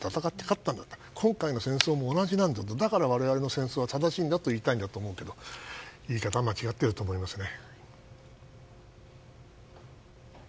今回の戦争も同じでだから我々の戦争は正しいんだと言いたいんだと思うけど言い方が間違ってると思いますね。